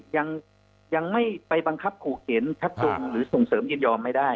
ยังไม่ไปบังคับขู่เข็นชักจงหรือส่งเสริมยินยอมไม่ได้